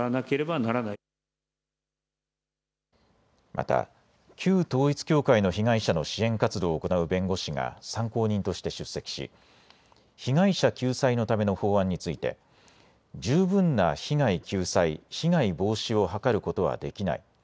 また旧統一教会の被害者の支援活動を行う弁護士が参考人として出席し被害者救済のための法案について十分な被害救済、被害防止を図ることはできない。